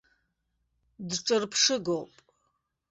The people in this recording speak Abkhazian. Дҿырԥшыгоуп.